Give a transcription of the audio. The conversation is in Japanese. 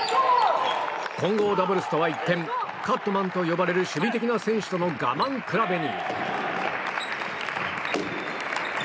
混合ダブルスとは一転カットマンと呼ばれる守備的な選手との我慢比べに。